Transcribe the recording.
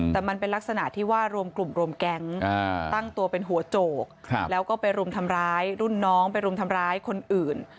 แต่มันเป็นลักษณะที่ว่ารวมกลุ่มรวมแก๊งตั้งตัวเป็นหัวโจกแล้วก็ไปรุมทำร้ายรุ่นน้องไปรุมทำร้ายคนอื่น